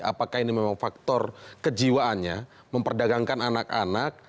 apakah ini memang faktor kejiwaannya memperdagangkan anak anak